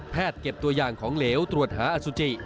เก็บตัวอย่างของเหลวตรวจหาอสุจิ